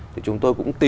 thì chúng tôi cũng tìm